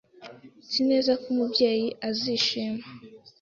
Nzi neza ko Umubyeyi azishima.